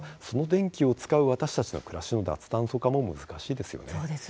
その電気を使う私たちの暮らしも脱炭素化は難しいですよね。